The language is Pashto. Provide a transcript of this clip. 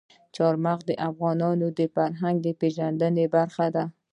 چار مغز د افغانانو د فرهنګي پیژندنې برخه ده.